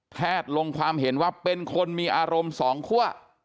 แพทย์ลงความเห็นว่าเป็นคนมีอารมณ์๒ขั้ว